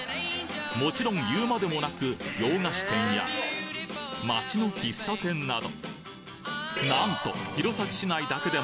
もちろん言うまでもなく洋菓子店や町の喫茶店など